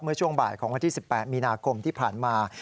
ช่วงบ่ายของวันที่๑๘มีนาคมที่ผ่านมา